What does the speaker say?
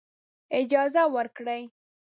اجازه ورکړي.